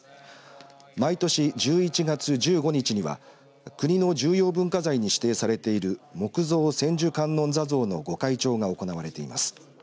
毎年１１月１５日には国の重要文化財に指定されている木造千手観音座像のご開帳が行われています。